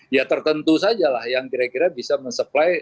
ya tertentu saja lah yang kira kira bisa mensupply